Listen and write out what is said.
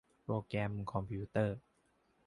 โปรแกรมคอมพิวเตอร์